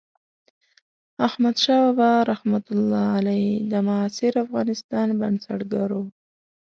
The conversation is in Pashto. احمدشاه بابا رحمة الله علیه د معاصر افغانستان بنسټګر و.